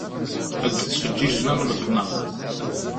Ad d-ttfeǧǧiǧen am lefnaṛ.